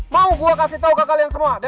mau gue kasih tau ke kalian semua